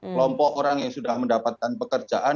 kelompok orang yang sudah mendapatkan pekerjaan